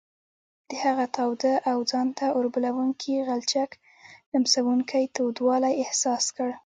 د هغه تاوده او ځان ته اوربلوونکي غلچک لمسوونکی تودوالی احساس کړ.